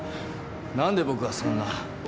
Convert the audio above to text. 何で僕がそんな。